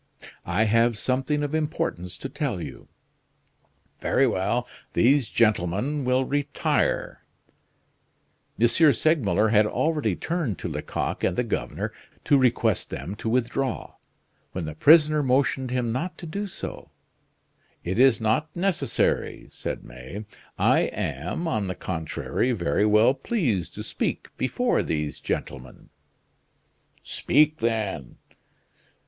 "I have something of importance to tell you." "Very well! these gentlemen will retire." M. Segmuller had already turned to Lecoq and the governor to request them to withdraw, when the prisoner motioned him not to do so. "It is not necessary," said May, "I am, on the contrary, very well pleased to speak before these gentlemen." "Speak, then."